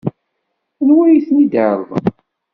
Anwa ay ten-id-iɛerḍen?